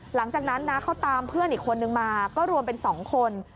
หลังจากนั้นนะเขาตามเพื่อนอีกคนนึงมาก็รวมเป็น๒คน